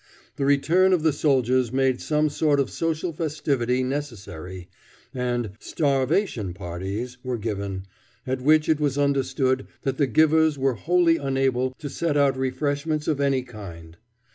The return of the soldiers made some sort of social festivity necessary, and "starvation parties" were given, at which it was understood that the givers were wholly unable to set out refreshments of any kind.